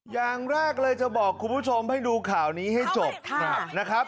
อย่างแรกเลยจะบอกคุณผู้ชมให้ดูข่าวนี้ให้จบนะครับ